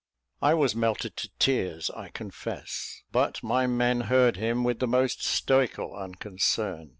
I was melted to tears, I confess; but my men heard him with the most stoical unconcern.